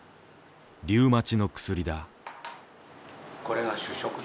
リウマチの薬だ。